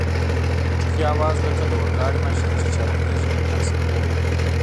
د ټوخي آواز لکه د اورګاډي ماشین چي چالانیږي داسې و.